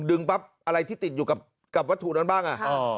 ปั๊บอะไรที่ติดอยู่กับวัตถุนั้นบ้าง